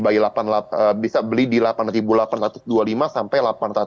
buy bisa beli di delapan ribu delapan ratus dua puluh lima sampai delapan ribu delapan ratus tujuh puluh lima